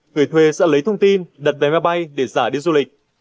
người thuê sẽ lấy thông tin đặt vé máy bay để giả đi du lịch